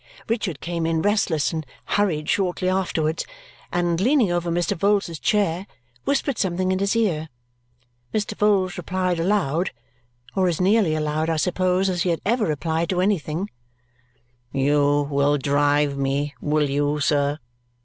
Richard came in restless and hurried shortly afterwards, and leaning over Mr. Vholes's chair, whispered something in his ear. Mr. Vholes replied aloud or as nearly aloud I suppose as he had ever replied to anything "You will drive me, will you, sir?